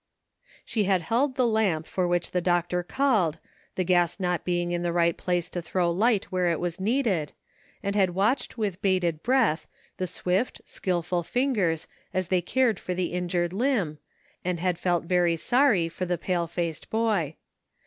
She had held the lamp for which the doctor GREAT QUESTIONS SETTLED. 297 called, the gas not being in the right place to throw light where it was needed, and had watched with bated breath, the swift, skillful fingers as they cared for the injured limb, and had felt very sorry for the pale faced boy.